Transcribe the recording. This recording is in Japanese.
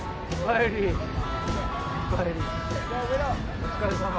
お疲れさま。